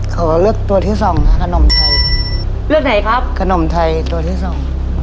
ขอเลือกตัวที่สองค่ะขนมไทยเลือกไหนครับขนมไทยตัวที่สอง